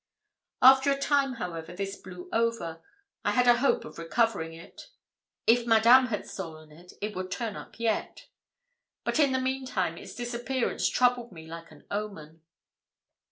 After a time, however, this blew over. I had a hope of recovering it. If Madame had stolen it, it would turn up yet. But in the meantime its disappearance troubled me like an omen.